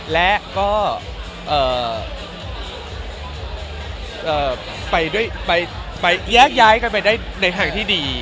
และก็แยกย้ายกันไปได้ในทางที่ดี